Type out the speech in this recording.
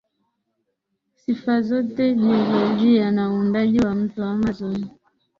sifa zote jiolojia na uundaji wa Mto Amazon